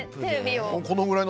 このぐらいの。